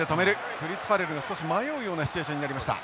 クリスファレルが少し迷うようなシチュエーションになりました。